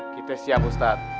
kita siap ustadz